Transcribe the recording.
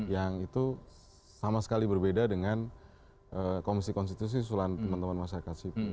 yang itu sama sekali berbeda dengan komisi konstitusi usulan teman teman masyarakat sipil